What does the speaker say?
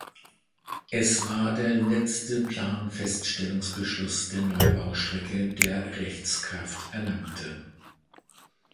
Es war der letzte Planfeststellungsbeschluss der Neubaustrecke, der Rechtskraft erlangte.